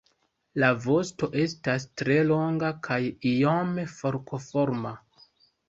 La vosto estas tre longa kaj iome forkoforma.